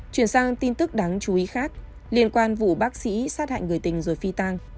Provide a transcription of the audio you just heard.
chuyển sang tin tức đáng chú ý khác liên quan vụ bác sĩ sát hại người tình rồi phi tang